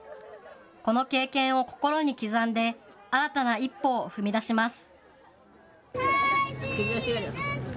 この経験を心に刻んで新たな一歩を踏み出します。